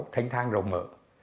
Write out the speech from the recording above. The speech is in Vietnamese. thanh thang rộng mở